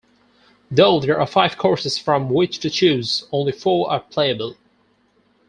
Though there are five courses from which to choose, only four are playable.